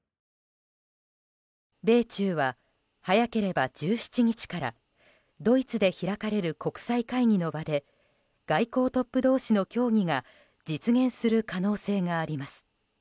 米中は、早ければ１７日からドイツで開かれる国際会議の場で外交トップ同士の協議が実現する可能性があります。